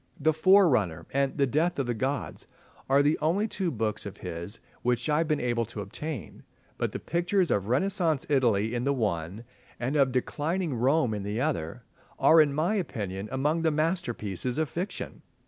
"The Forerunner" and "The Death of the Gods" are the only two books of his which I have been able to obtain, but the pictures of Renaissance Italy in the one, and of declining Rome in the other, are in my opinion among the masterpieces of fiction.